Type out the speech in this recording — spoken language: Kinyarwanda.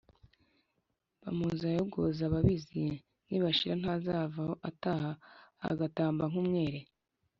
Bamuzi ayogoza Ababizi nibashira Ntazavaho ataha Agatamba nk’umwere?